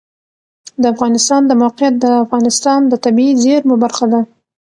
د افغانستان د موقعیت د افغانستان د طبیعي زیرمو برخه ده.